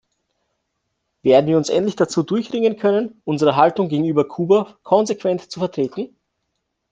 Werden wir uns endlich dazu durchringen können, unsere Haltung gegenüber Kuba konsequent zu vertreten?